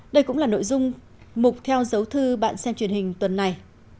đây cũng là nội dung mục theo dấu thư bạn xem truyền hình tuần này